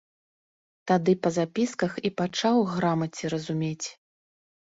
Тады па запісках і пачаў грамаце разумець.